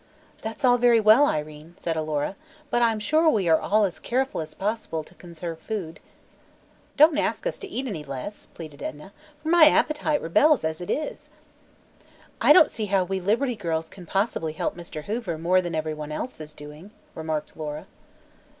"That's all very well, Irene," said Alora, "but I'm sure we are all as careful as possible to conserve food." "Don't ask us to eat any less," pleaded Edna, "for my appetite rebels as it is." "I don't see how we Liberty Girls can possibly help Mr. Hoover more than everyone else is doing," remarked Laura.